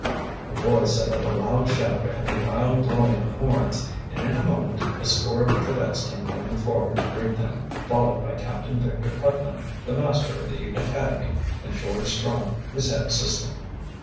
The boys set up a loud shout and a wild blowing of horns, and in a moment a score of cadets came running forward to greet them, followed by Captain Victor Putnam, the master of the academy, and George Strong, his head assistant.